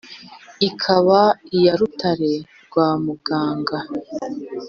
Ikaba iya Rutare rwa Muganga.